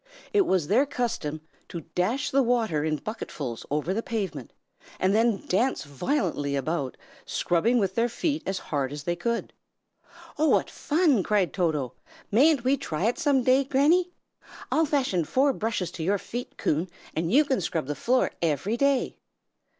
It was their custom to dash the water in bucketfuls over the pavement, and then dance violently about, scrubbing with their feet as hard as they could." "Oh, what fun!" cried Toto. "Mayn't we try it some day, Granny? I'll fasten four brushes to your feet, Coon, and you can scrub the floor every day."